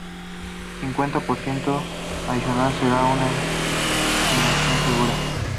Cincuenta por ciento adicional sería una estimación segura.